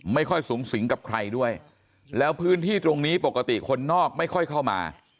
ไม่ค่อยสูงสิงกับใครด้วยแล้วพื้นที่ตรงนี้ปกติคนนอกไม่ค่อยเข้ามา